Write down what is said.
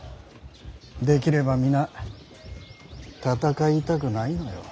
できれば皆戦いたくないのよ。